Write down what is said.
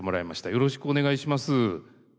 よろしくお願いします。